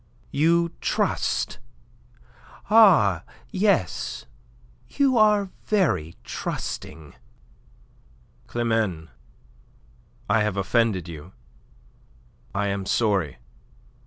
"You trust? Ah, yes. You are very trusting." "Climene, I have offended you. I am sorry."